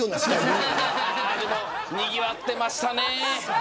あれもにぎわっていましたね。